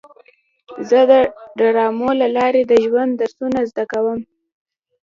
زه د ډرامو له لارې د ژوند درسونه زده کوم.